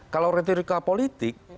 kalau retorika politik